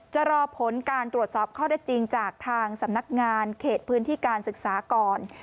จะรอผลการตรวจสอบข้อได้จริงจากทางสำนักงานเขตพื้นที่การศึกษาก่อน